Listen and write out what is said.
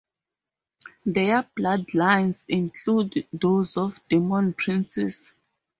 Their bloodlines include those of demon princes.